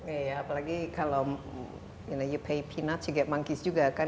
iya apalagi kalau you pay peanuts you get monkeys juga kan